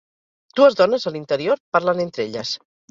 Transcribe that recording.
Dues dones a l'interior parlen entre elles.